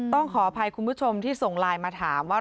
ขออภัยคุณผู้ชมที่ส่งไลน์มาถามว่า